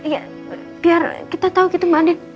ya biar kita tahu gitu mbak anden